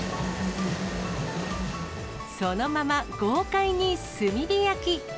そのまま豪快に炭火焼き。